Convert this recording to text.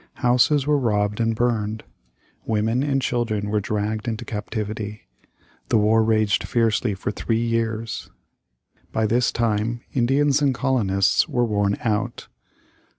Houses were robbed and burned. Women and children were dragged into captivity. The war raged fiercely for three years. By this time Indians and colonists were worn out.